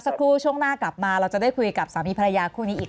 สักครู่ช่วงหน้ากลับมาเราจะได้คุยกับสามีภรรยาคู่นี้อีก